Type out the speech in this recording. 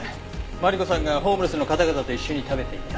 マリコさんがホームレスの方々と一緒に食べていた。